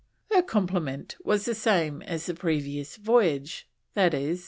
Her complement was the same as the previous voyage, i.e.